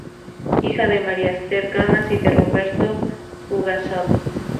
Hija de María Esther Gamas y de Roberto Fugazot.